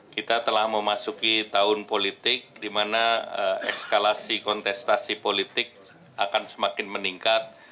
kita telah memasuki tahun politik di mana eskalasi kontestasi politik akan semakin meningkat